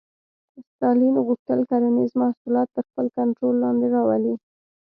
ستالین غوښتل کرنیز محصولات تر خپل کنټرول لاندې راولي